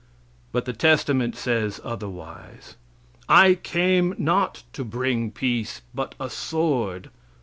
But the testament says otherwise: "I came not to bring peace, but a sword."